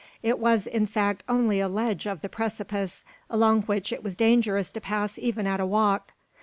It was, in fact, only a ledge of the precipice, along which it was dangerous to pass even at a walk.